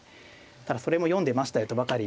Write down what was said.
ただそれも読んでましたよとばかりに。